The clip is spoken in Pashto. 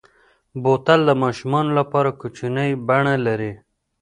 بوتل د ماشومو لپاره کوچنۍ بڼه لري.